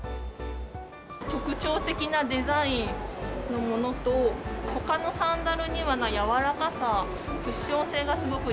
特徴的なデザインのものと、ほかのサンダルにはないやわらかさ、クッション性がすごく